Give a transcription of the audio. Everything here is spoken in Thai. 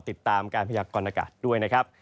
ติดตามการพยากรณากาศด้วยนะครับ